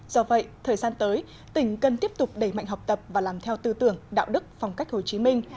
do vậy thời gian tới tỉnh cần tiếp tục đẩy mạnh học tập và làm theo tư tưởng đạo đức phong cách hồ chí minh